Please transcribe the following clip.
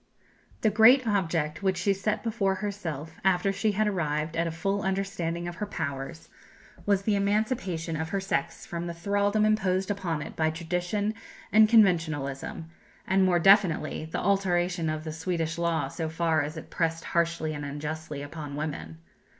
The great object which she set before herself, after she had arrived at a full understanding of her powers, was the emancipation of her sex from the thraldom imposed upon it by tradition and conventionalism, and more definitely, the alteration of the Swedish law so far as it pressed harshly and unjustly upon women.